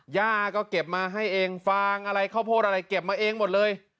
ยาก็เก็บมาให้เองฟังประโยชน์อะไรเก็บมาเองหมดเลย